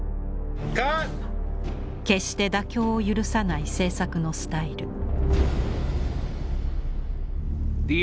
決して妥協を許さない製作のスタイル。